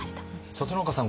里中さん